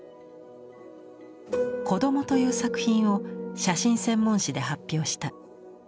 「こども」という作品を写真専門誌で発表した。